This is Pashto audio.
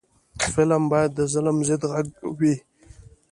فلم باید د ظلم ضد غږ وي